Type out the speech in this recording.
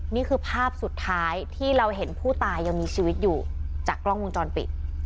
นี่คือภาพสุดท้ายที่เราเห็นผู้ตายยังมีชีวิตอยู่จากกล้องวงจรปิด